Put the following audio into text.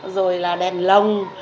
rồi là đèn lồng